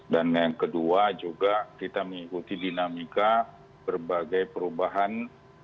dan yang kedua juga kita mengikuti dinamika berbagai perubahan